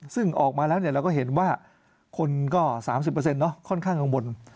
ซึ่งออกมาแล้วเราก็เห็นว่าคนก็๓๐ค่อนข้างกังวล